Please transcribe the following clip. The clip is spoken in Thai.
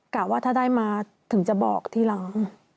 ว่าถ้าได้มาถึงจะบอกทีหลัง